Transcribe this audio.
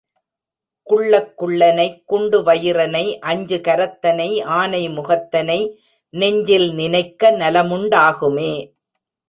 குள்ளக் குள்ளனை குண்டு வயிறனை அஞ்சு கரத்தனை ஆனை முகத்தனை நெஞ்சில் நினைக்க நலமுண்டாகுமே.